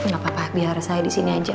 gak apa apa biar saya di sini aja